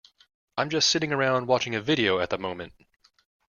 I'm just sitting around watching a video at the moment.